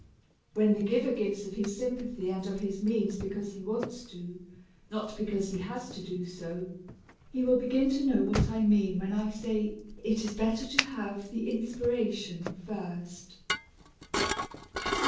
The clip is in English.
When the giver gives of his sympathy and of his means because he wants to, not because he has to do so, he will begin to know what I mean when I say it is better to have the inspiration first.